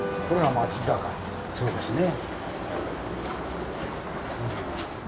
そうですね。